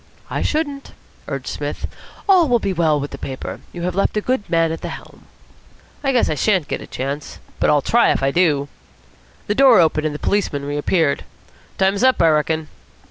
"I shouldn't," urged Psmith. "All will be well with the paper. You have left a good man at the helm." "I guess I shan't get a chance, but I'll try it if I do." The door opened and the policeman reappeared. "Time's up, I reckon."